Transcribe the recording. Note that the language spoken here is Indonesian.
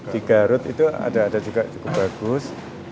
di garut itu ada juga cukup bagus